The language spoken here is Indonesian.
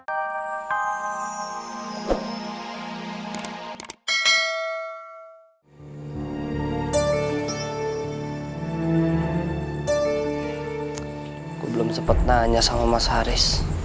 aku belum sempat nanya sama mas haris